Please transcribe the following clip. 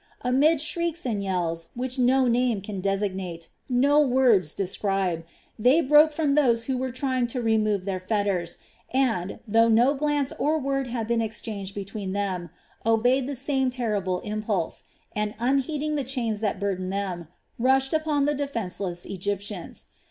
Amid shrieks and yells which no name can designate, no words describe, they broke from those who were trying to remove their fetters and, though no glance or word had been exchanged between them, obeyed the same terrible impulse, and unheeding the chains that burdened them, rushed upon the defenceless Egyptians.